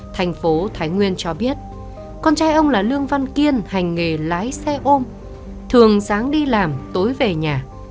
thành phố thái nguyên cho biết con trai ông là lương văn kiên hành nghề lái xe ôm thường dáng đi làm tối về nhà